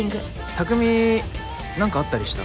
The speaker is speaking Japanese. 匠何かあったりした？